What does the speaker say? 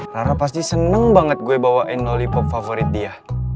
rara pasti seneng banget gue bawain lollipop favorit dia